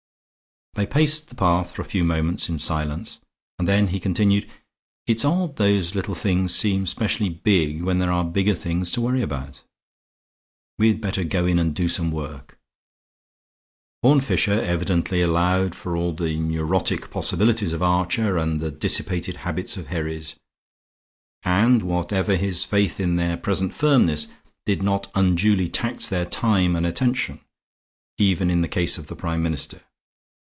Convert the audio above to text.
They paced the path for a few moments in silence and then he continued. "It's odd those little things seem specially big when there are bigger things to worry about. We'd better go in and do some work." Horne Fisher evidently allowed for all the neurotic possibilities of Archer and the dissipated habits of Herries; and whatever his faith in their present firmness, did not unduly tax their time and attention, even in the case of the Prime Minister.